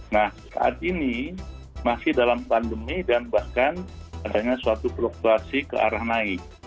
nah saat ini masih dalam pandemi dan bahkan adanya suatu proklasi kearah naik